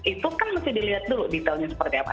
itu kan mesti dilihat dulu detailnya seperti apa